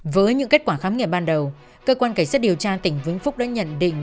với những kết quả khám nghiệm ban đầu cơ quan cảnh sát điều tra tỉnh vĩnh phúc đã nhận định